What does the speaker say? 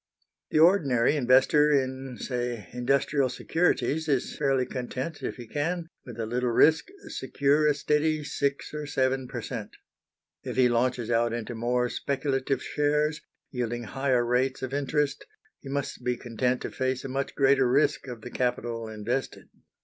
The ordinary investor in, say, industrial securities is fairly content if he can, with a little risk, secure a steady six or seven per cent. If he launches out into more speculative shares, yielding higher rates of interest, he must be content to face a much greater risk of the capital invested.